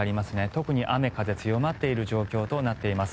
特に雨風強まっている状況となっています。